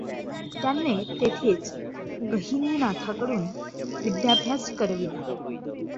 त्यानें तेथेंच गहिनीनाथाकडून विद्याभ्यास करविला.